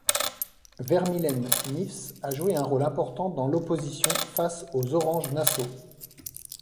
Vermylen-Neefs a joué un rôle important dans l'opposition face aux Orange-Nassau.